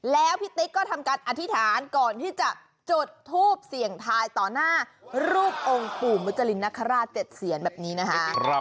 แล้วพี่ติ๊กก็ทำการอธิษฐานก่อนที่จะจุดทูปเสี่ยงทายต่อหน้ารูปองค์ปู่มุจรินนคราช๗เสียนแบบนี้นะคะ